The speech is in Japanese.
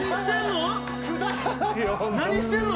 何してんの？